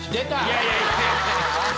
いやいやいやいや。